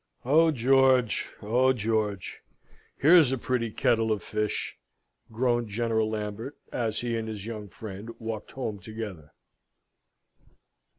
"Oh, George! oh, George! Here's a pretty kettle of fish!" groaned General Lambert, as he and his young friend walked home together.